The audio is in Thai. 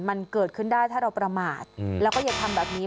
มันเกิดขึ้นได้ถ้าเราประมาทแล้วก็อย่าทำแบบนี้